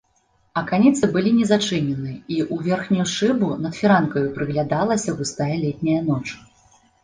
Аканіцы былі не зачынены, і ў верхнюю шыбу над фіранкаю прыглядалася густая летняя ноч.